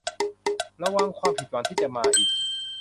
ระวังความผิดหวังที่จะมาอีก